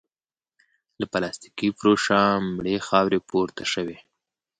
له پلاستيکي فرشه مړې خاورې پورته شوې.